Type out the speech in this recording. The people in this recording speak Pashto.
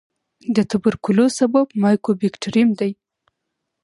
د توبرکلوس سبب مایکوبیکټریم دی.